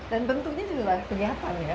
dan bentuknya juga kelihatan ya